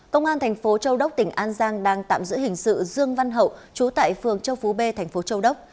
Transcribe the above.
công an tp châu đốc tỉnh an giang đang tạm giữ hình sự dương văn hậu trú tại phường châu phú b tp châu đốc